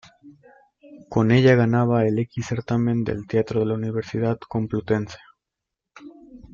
Con ella ganaba el X Certamen del Teatro de la Universidad Complutense.